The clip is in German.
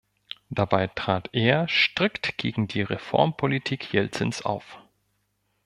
Dabei trat er strikt gegen die Reformpolitik Jelzins auf.